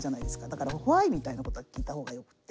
だからＷｈｙみたいなことは聞いた方がよくて。